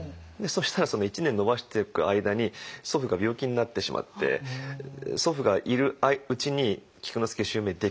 そしたら１年延ばしていく間に祖父が病気になってしまって祖父がいるうちに菊之助襲名できなかったんです。